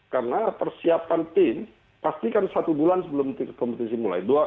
karena persiapan tim pastikan satu bulan sebelum kompetisi mulai